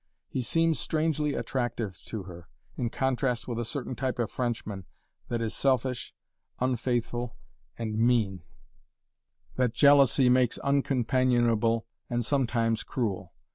He seems strangely attractive to her, in contrast with a certain type of Frenchman, that is selfish, unfaithful, and mean that jealousy makes uncompanionable and sometimes cruel.